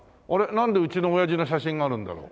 なんでうちのおやじの写真があるんだろう。